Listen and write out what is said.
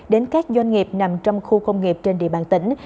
đến các doanh nghiệp nằm trong khu công nghiệp trên địa bàn tỉnh